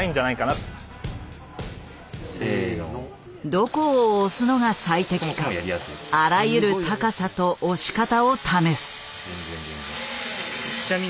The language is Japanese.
どこを押すのが最適かあらゆる高さと押し方を試す。